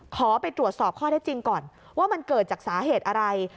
ขอไปตรวจสอบข้อได้จริงก่อนว่ามันเกิดจากสาเหตุอะไร